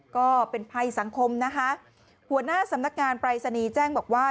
ก็เป็นภัยสังคมนะคะหัวหน้าสำนักงานปรายศนีย์แจ้งบอกว่า